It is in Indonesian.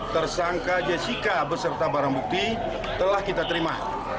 tersangka jessica beserta barang bukti telah kita terima